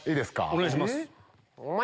お願いします。